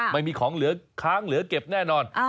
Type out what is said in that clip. ไม่มีของเหลือค้างเหลือเก็บแน่นอน